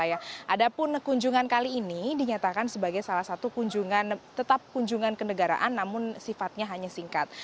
ada pun kunjungan kali ini dinyatakan sebagai salah satu kunjungan tetap kunjungan ke negaraan namun sifatnya hanya singkat